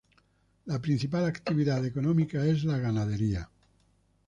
La principal actividad económica es la ganadería.